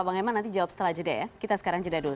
bang herman nanti jawab setelah jeda ya kita sekarang jeda dulu